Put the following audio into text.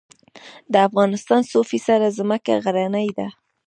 د افغانستان څو فیصده ځمکه غرنۍ ده؟